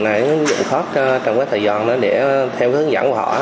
những dụng khó trong thời gian đó để theo hướng dẫn của họ